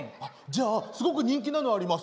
じゃあすごく人気なのはあります。